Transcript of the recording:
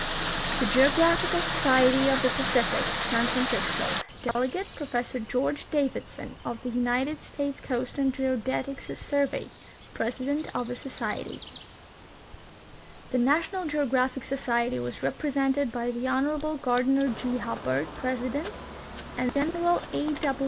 The Geographical Society of the Pacific (San Francisco); delegate. Professor George Davidson, of the United States Coast and Geodetic Survey, President of the Societ3^ . The National Geographic Society was represented' by the Honorable Gardiner G. Hubbard, President, and General A.